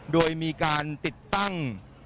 โดยมีการติดตั้ง